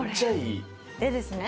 でですね